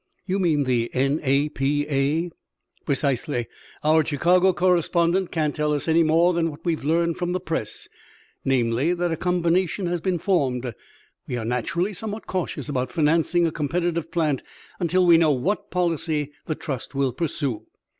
"You mean the N. A. P. A.?" "Precisely. Our Chicago correspondent can't tell us any more than we have learned from the press namely, that a combination has been formed. We are naturally somewhat cautious about financing a competitive plant until we know what policy the trust will pursue."